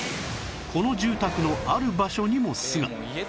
この住宅のある場所にも巣が